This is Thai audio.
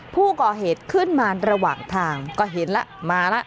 ผู้ก่อเหตุขึ้นมาระหว่างทางก็เห็นแล้วมาแล้ว